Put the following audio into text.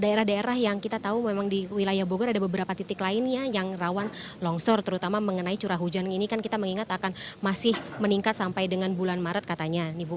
daerah daerah yang kita tahu memang di wilayah bogor ada beberapa titik lainnya yang rawan longsor terutama mengenai curah hujan ini kan kita mengingat akan masih meningkat sampai dengan bulan maret katanya nih bu